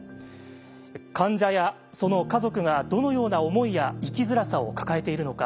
患者やその家族がどのような思いや「生きづらさ」を抱えているのか。